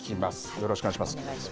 よろしくお願いします。